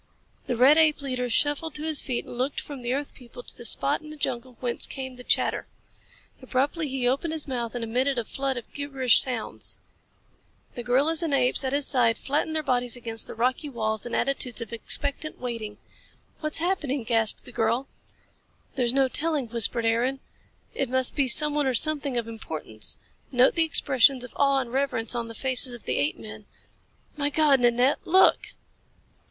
The red ape leader shuffled to his feet and looked from the earth people to the spot in the jungle whence came the chatter. Abruptly he opened his mouth and emitted a flood of gibberish sounds. The gorillas and apes at his side flattened their bodies against the rocky walls in attitudes of expectant waiting. "What's happening?" gasped the girl. "There's no telling," whispered Aaron. "It must be someone or something of importance. Note the expressions of awe and reverence on the faces of the apemen. My God, Nanette, look!"